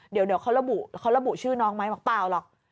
เดี๋ยวเขาระบุเขาระบุชื่อน้องไหมบอกเปล่าหรอก